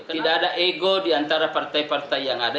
tidak ada ego diantara partai partai yang ada